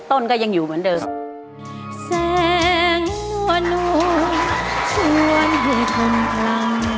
ต้นก็ยังอยู่เหมือนเดิม